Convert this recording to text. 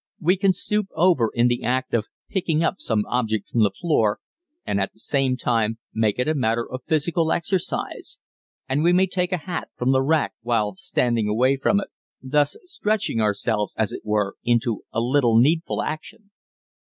We can stoop over in the act of picking up some object from the floor and at the same time make it a matter of physical exercise, and we may take a hat from the rack while standing away from it, thus stretching ourselves, as it were, into a little needful action.